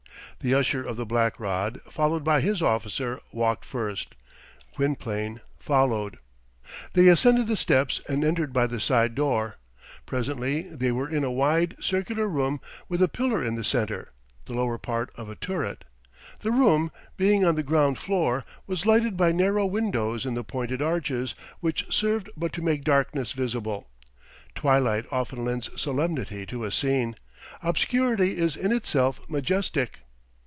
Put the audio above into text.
The Usher of the Black Rod, followed by his officer, walked first; Gwynplaine followed. They ascended the steps, and entered by the side door. Presently they were in a wide, circular room, with a pillar in the centre, the lower part of a turret. The room, being on the ground floor, was lighted by narrow windows in the pointed arches, which served but to make darkness visible. Twilight often lends solemnity to a scene. Obscurity is in itself majestic.